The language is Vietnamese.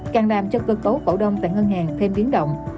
càng làm cho cơ cấu cổ đông tại ngân hàng thêm biến động